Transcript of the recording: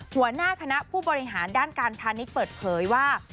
หัวหน้าคณะผู้บริหารด้านการพาณิชย์เปิดเผยว่า